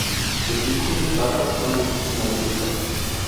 Su pico y patas son negruzcas.